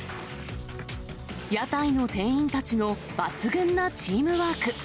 屋台の店員たちの抜群なチームワーク。